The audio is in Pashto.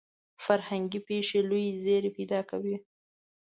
فرهنګي پېښې لوی زیری پیدا کوي.